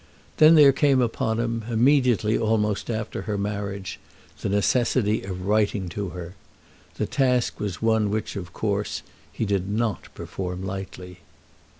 Then there came upon him, immediately almost after her marriage, the necessity of writing to her. The task was one which, of course, he did not perform lightly.